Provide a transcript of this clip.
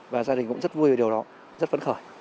và gia đình cũng rất vui về điều đó rất phấn khởi